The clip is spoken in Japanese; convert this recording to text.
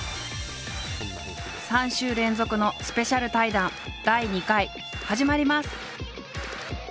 ３週連続のスペシャル対談第２回始まります！